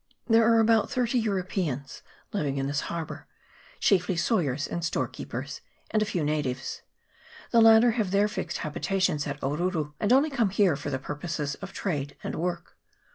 There are about thirty Europeans living in this harbour, chiefly sawyers and storekeepers, and a few natives. The latter have their fixed habitations at Oruru, and only come here for the purposes of trade and work.